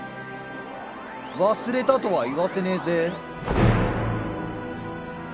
忘れたとは言わせねぇぜ。